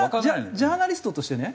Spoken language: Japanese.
ジャーナリストとしてね